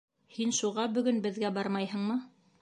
Һин шуға бөгөн беҙгә бармайһыңмы?